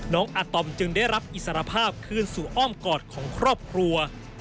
อาตอมจึงได้รับอิสรภาพคืนสู่อ้อมกอดของครอบครัว